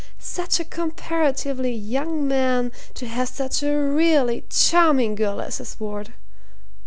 Such a comparatively young man to have such a really charming girl as his ward!